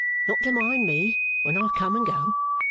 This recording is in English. Not to mind me when I come and go.